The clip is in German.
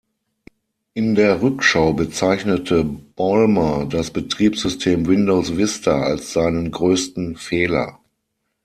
In der Rückschau bezeichnete Ballmer das Betriebssystem Windows Vista als seinen größten Fehler.